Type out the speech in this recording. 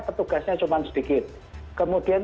petugasnya cuma sedikit kemudian